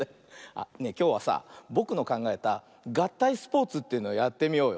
あっねえきょうはさぼくのかんがえたがったいスポーツというのやってみようよ。